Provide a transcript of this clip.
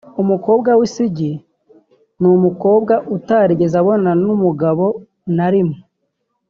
Umukobwa w’isugi ni umukobwa utarigeze abonana n’umugabo na rimwe